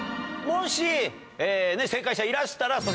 もし正解者いらしたら。